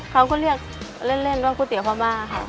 ครับเขาก็เรียกเล่นว่ากุฏิวพม่าค่ะ